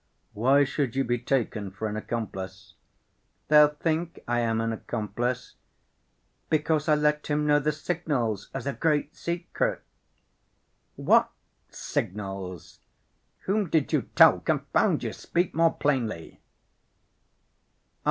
"Why should you be taken for an accomplice?" "They'll think I am an accomplice, because I let him know the signals as a great secret." "What signals? Whom did you tell? Confound you, speak more plainly."